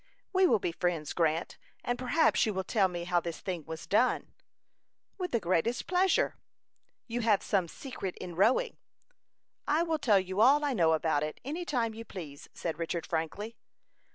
"We will be friends, Grant, and perhaps you will tell me how this thing was done?" "With the greatest pleasure." "You have some secret in rowing." "I will tell you all I know about it, any time you please," said Richard, frankly.